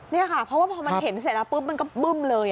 นี่ค่ะเพราะว่าพอมันเห็นเสร็จแล้วปุ๊บมันก็บึ้มเลย